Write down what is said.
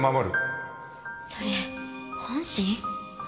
それ本心？